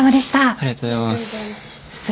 ありがとうございます。